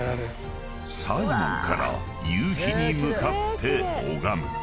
［西門から夕日に向かって拝む］